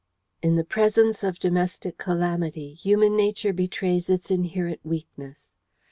In the presence of domestic calamity human nature betrays its inherent weakness.